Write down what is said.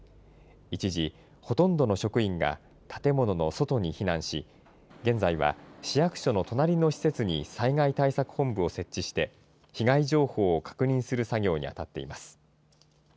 一時、ほとんどの職員が建物の外に避難し、現在は市役所の隣の施設に災害対策本部を設置して、被害情報を確認する作業に当たっています。